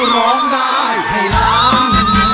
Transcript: ร้องได้ให้ล้าน